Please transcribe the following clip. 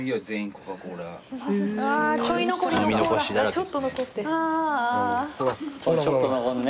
ちょっと残るね。